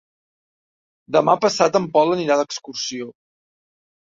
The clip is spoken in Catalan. Demà passat en Pol anirà d'excursió.